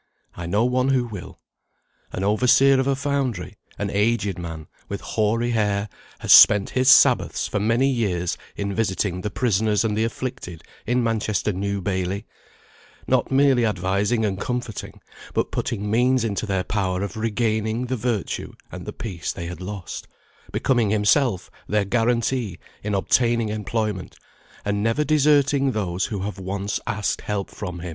I know one who will. An overseer of a foundry, an aged man, with hoary hair, has spent his Sabbaths, for many years, in visiting the prisoners and the afflicted in Manchester New Bailey; not merely advising and comforting, but putting means into their power of regaining the virtue and the peace they had lost; becoming himself their guarantee in obtaining employment, and never deserting those who have once asked help from him.